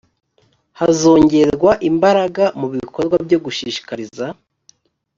hazongerwa imbaraga mu bikorwa byo gushishikariza